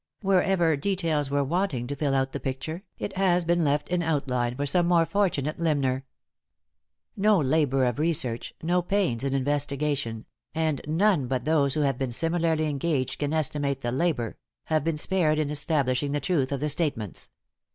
Wherever details were wanting to fill out the picture, it has been left in outline for some more fortunate limner. No labor of research, no pains in investigation and none but those who have been similarly engaged can estimate the labor have been spared in establishing the truth of the statements.